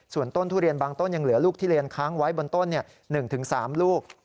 ส่วนต้นทุเรียนบางต้นยังเหลือลูกที่เรียนค้างไว้บนต้น๑๓ลูก